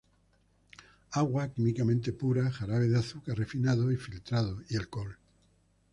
Agua químicamente pura, jarabe de azúcar refinado y filtrado, y alcohol.